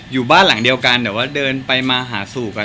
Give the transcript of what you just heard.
อยู่บ้านหลังเดียวกันแต่ว่าเดินไปมาหาสู่กัน